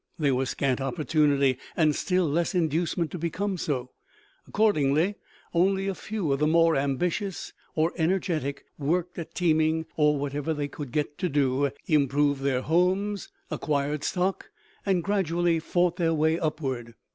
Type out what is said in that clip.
There was scant opportunity and still less inducement to become so; accordingly only a few of the more ambitious or energetic worked at teaming or whatever they could get to do, improved their homes, acquired stock, and gradually fought their way upward.